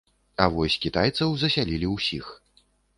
А вось кітайцаў засялілі ўсіх.